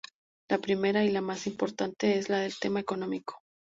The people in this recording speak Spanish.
La primera, y la más importante es la del tema económico.